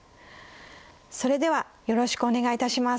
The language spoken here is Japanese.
それではよろしくお願いいたします。